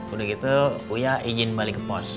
udah gitu punya izin balik ke pos